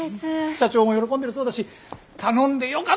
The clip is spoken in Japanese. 社長も喜んでるそうだし頼んでよかったよ